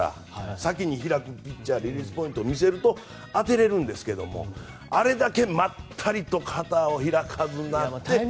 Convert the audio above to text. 先に開くピッチャーがリリースポイントを見せると当てれるんですけどもあれだけまったりと肩を開かず投げて。